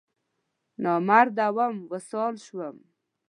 نامراده وم، وصال شوم